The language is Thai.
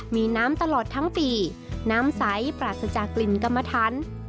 มีน้ำตลอดทั้งปีน้ำใสปราศจากกลิ่นกรรมทัน